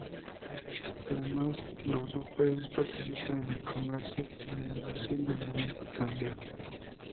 Además, los dos países participan en el comercio y la inversión de menor importancia.